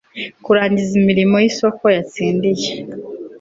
kurangiza imirimo y isoko yatsindiye